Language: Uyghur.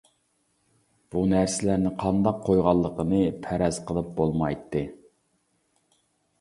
بۇ نەرسىلەرنى قانداق قۇيغانلىقىنى پەرەز قىلىپ بولمايتتى.